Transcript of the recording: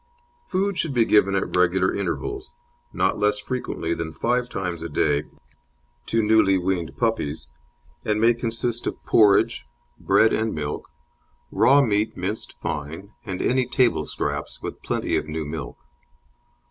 Food should be given at regular intervals not less frequently than five times a day to newly weaned puppies and may consist of porridge, bread and milk, raw meat minced fine, and any table scraps, with plenty of new milk.